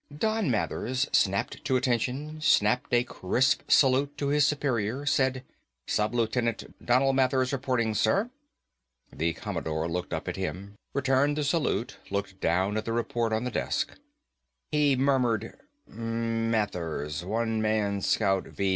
_ Don Mathers snapped to attention, snapped a crisp salute to his superior, said, "Sub lieutenant Donal Mathers reporting, sir." The Commodore looked up at him, returned the salute, looked down at the report on the desk. He murmured, "Mathers, One Man Scout V 102.